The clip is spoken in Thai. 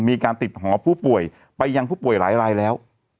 มีการติดหอผู้ป่วยไปยังผู้ป่วยหลายรายแล้ว